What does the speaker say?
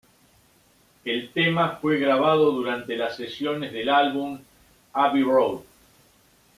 El tema fue grabado durante las sesiones del álbum "Abbey Road".